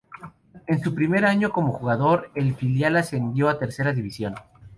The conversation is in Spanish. En su primer año como jugador del filial ascendió a Tercera División.